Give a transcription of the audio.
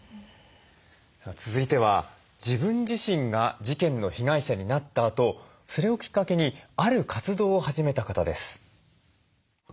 続いては自分自身が事件の被害者になったあとそれをきっかけにある活動を始めた方です。